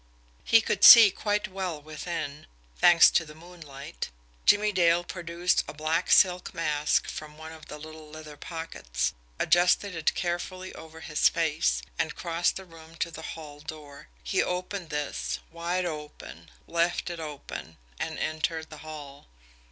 He could see quite well within, thanks to the moonlight. Jimmie Dale produced a black silk mask from one of the little leather pockets, adjusted it carefully over his face, and crossed the room to the hall door. He opened this wide open left it open and entered the hall.